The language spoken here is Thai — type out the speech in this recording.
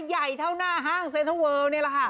ใหญ่เท่าหน้าห้างเซ็นเทอร์เวิลนี่แหละค่ะ